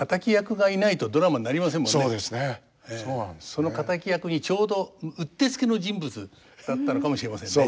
その敵役にちょうどうってつけの人物だったのかもしれませんね。